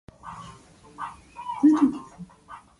Onions are cultivated and used around the world.